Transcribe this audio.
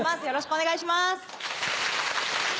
よろしくお願いします。